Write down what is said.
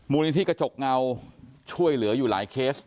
นิธิกระจกเงาช่วยเหลืออยู่หลายเคส